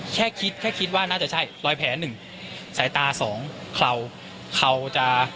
แค่คิดแค่คิดว่าน่าจะใช่รอยแผลหนึ่งสายตาสองเข่าเข่าจะ